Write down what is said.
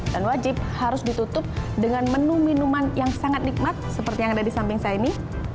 dan wajib harus ditutup dengan menu minuman yang sangat nikmat seperti yang ada di samping saya ini